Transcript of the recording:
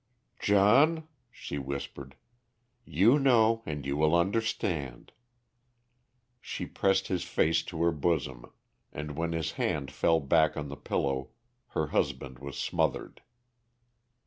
"John," she whispered, "you know and you will understand." She pressed his face to her bosom, and when his head fell back on the pillow her husband was smothered.